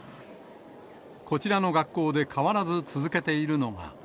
こちらの学校で変わらず続けているのが。